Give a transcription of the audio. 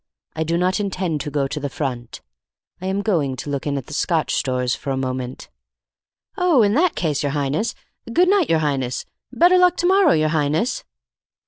I do not intend to go to the front. I am going to look in at the Scotch Stores for a moment." "Oh, in that case, your Highness, good night, your Highness! Better luck to morrow, your Highness!"